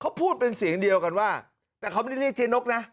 เขาพูดเป็นเสียงเดียวกันว่าแต่เขาไม่ได้เรียกเจ๊นกนะ